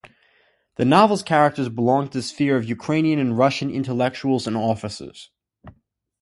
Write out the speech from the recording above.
The novel's characters belong to the sphere of Ukrainian and Russian intellectuals and officers.